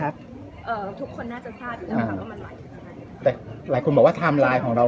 แม้ไม่มีสิทธิ์ที่จะไปทำให้ใครเชื่อหรือไม่เชื่ออะไร